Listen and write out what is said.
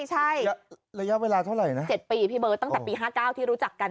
ใช่ระยะเวลาเท่าไหร่นะ๗ปีพี่เบิร์ตตั้งแต่ปี๕๙ที่รู้จักกัน